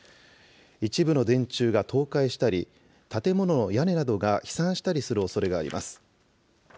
一部の電柱が倒壊したり、建物の屋根などが飛散したりするおそれがあります。